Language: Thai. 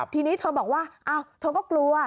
ทีนี้เธอบอกว่าเธอก็กลัว